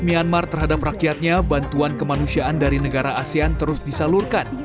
myanmar terhadap rakyatnya bantuan kemanusiaan dari negara asean terus disalurkan